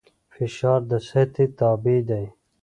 فشار د سطحې تابع دی.